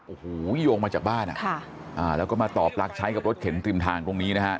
โอ้โหที่โยงมาจากบ้านน่ะแล้วก็มาตอบรักใช้กับรถเข็นกลิ่นทางตรงนี้นะครับ